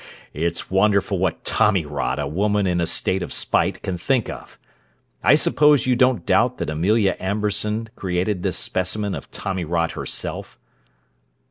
"It's wonderful what tommy rot a woman in a state of spite can think of! I suppose you don't doubt that Amelia Amberson created this specimen of tommy rot herself?"